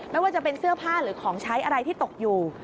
ไม่ว่าจะเป็นเสื้อผ้าหรือของใช้อะไรที่ตกอยู่